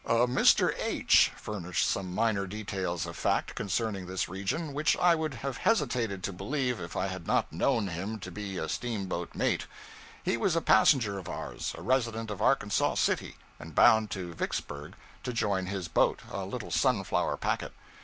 A Mr. H. furnished some minor details of fact concerning this region which I would have hesitated to believe if I had not known him to be a steamboat mate. He was a passenger of ours, a resident of Arkansas City, and bound to Vicksburg to join his boat, a little Sunflower packet.